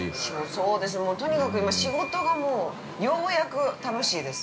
◆そうですね、とにかく今仕事がようやく楽しいです。